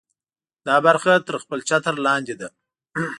دا برخه تر خپل چتر لاندې ده.